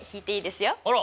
あら。